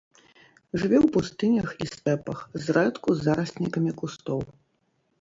Жыве ў пустынях і стэпах, зрэдку з зараснікамі кустоў.